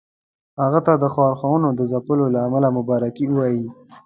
هغه ته د ښورښونو د ځپلو له امله مبارکي ووايي.